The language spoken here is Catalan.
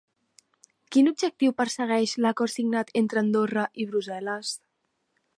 Quin objectiu persegueix l'acord signat entre Andorra i Brussel·les?